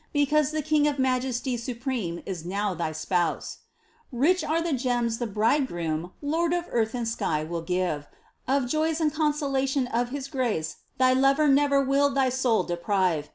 Because the King of Majesty supreme Is now thy Spouse ! Rich are the gems The Bridegroom, Lord of earth and sky will give ; Of joys and consolation of His grace Thy Lover never will thy soul deprive.